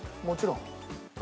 もちろん。